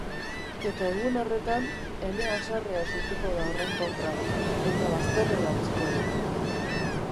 Eta egun horretan ene haserrea sutuko da horren kontra, eta bazterrera utziko dut.